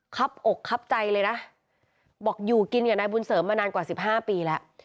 ครับอกคับใจเลยนะบอกอยู่กินกับนายบุญเสริมมานานกว่า๑๕ปีแล้ว